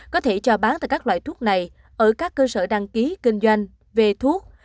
có thể cho bán tại các loại thuốc này ở các cơ sở đăng ký kinh doanh về thuốc